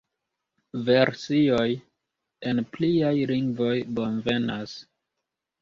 Versioj en pliaj lingvoj bonvenas.